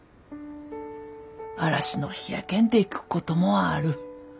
嵐の日やけんでくっこともある。